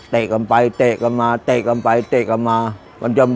เตะกันไปเตะกันมาเตะกันไปเตะกันมา